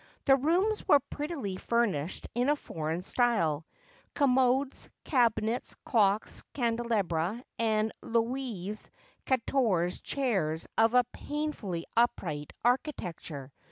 The rooms were prettily furnished in a foreign style — commodes, cabinets, clocks, candelabra, and Louis Quatorze chairs of a painfully upright architecture.